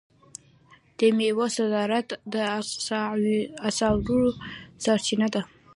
د میوو صادرات د اسعارو سرچینه ده.